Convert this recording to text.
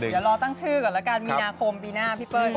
เดี๋ยวรอตั้งชื่อก่อนแล้วกันมีนาคมปีหน้าพี่เปิ้ล